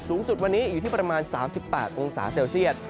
สูงสุดวันนี้อยู่ที่ประมาณ๓๘องศาเซลเซียต